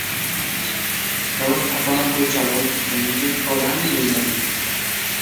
ব্যবস্থাপনা পরিচালক ব্যাংকটির প্রধান নির্বাহী।